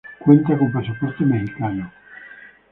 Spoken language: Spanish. Cuenta con pasaporte mexicano.